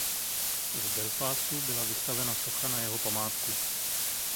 V Belfastu byla vystavena socha na jeho památku.